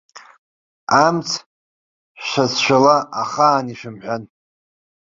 Амц шәацәшәала, ахаан ишәымҳәан.